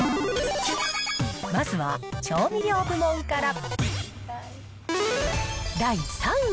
まずは調味料部門から。